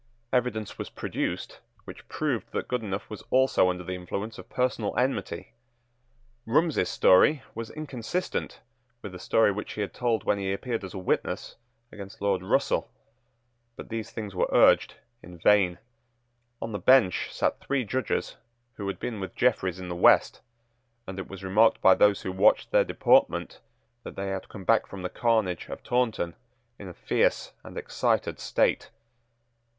Evidence was produced which proved that Goodenough was also under the influence of personal enmity. Rumsey's story was inconsistent with the story which he had told when he appeared as a witness against Lord Russell. But these things were urged in vain. On the bench sate three judges who had been with Jeffreys in the West; and it was remarked by those who watched their deportment that they had come back from the carnage of Taunton in a fierce and excited state.